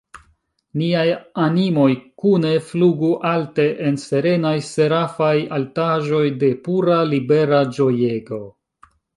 Niaj animoj kune flugu alte en serenaj, serafaj altaĵoj de pura, libera ĝojego!